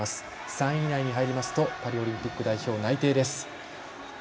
３位以内に入りますとパリオリンピック代表内定です。